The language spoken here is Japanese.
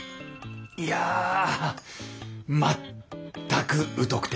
いや全く疎くて。